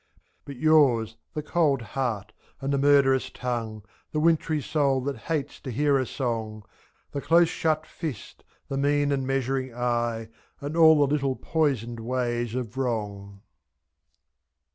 But yours the cold heart, and the murderous tongue. The wintry soul that hates to hear a song, ^7The close shut fist, the mean and measuring eye. And all the little poisoned ways of wrong.